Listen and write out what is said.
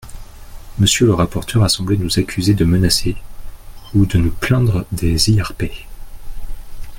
Monsieur le rapporteur a semblé nous accuser de menacer, ou de nous plaindre des IRP.